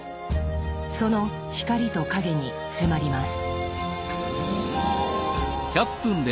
その光と影に迫ります。